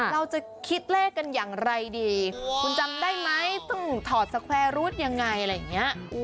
เราจะคิดเลขกันอย่างไรดีคุณจำได้ไหมถอดสแควรุทย์ยังไง